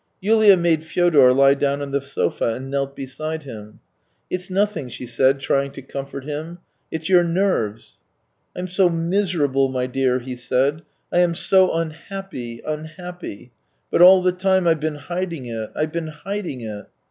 Yulia made Fyodor lie down on the sofa and knelt beside him. " It's nothing," she said, trying to comfort him. " It's your nerves. ..." 298 THE TALES OF TCHEHOV " rm so miserable, my dear !" he said. " I am so unhappy, unhappy ... but all the time I've been hiding it, I've been hiding it